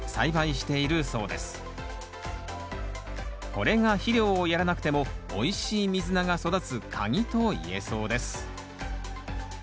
これが肥料をやらなくてもおいしいミズナが育つ鍵と言えそうです